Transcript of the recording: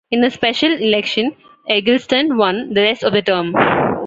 In a special election, Eggleston won the rest of the term.